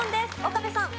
岡部さん。